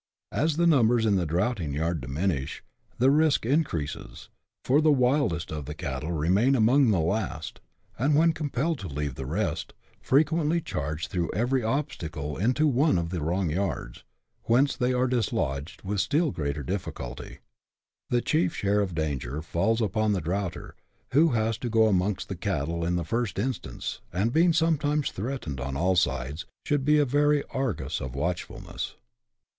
As the numbers in the draughting yard diminish, the risk in creases, for the wildest of the cattle remain among the last, and when compelled to leave the rest, frequently charge through every obstacle into one of the wrong yards, whence they are dislodged with still greater difficulty. The chief share of the danger falls upon the draughter, who has to go amongst the cattle in the first instance, and being sometimes threatened on all sides, should be a very Argus of watchfulness.